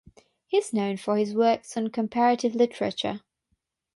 He is known for his works on comparative literature.